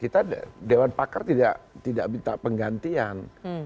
kita dewan pakar tidak minta penggantian